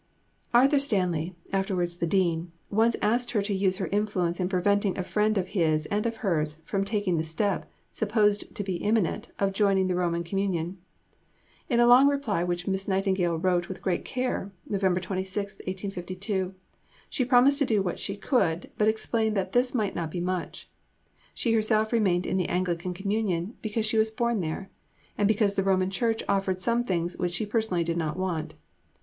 Arthur Stanley (afterwards the Dean) once asked her to use her influence in preventing a friend of his and of hers from taking the step, supposed to be imminent, of joining the Roman Communion. In a long reply which Miss Nightingale wrote with great care (Nov. 26, 1852), she promised to do what she could, but explained that this might not be much. She herself remained in the Anglican Communion "because she was born there," and because the Roman Church offered some things which she personally did not want.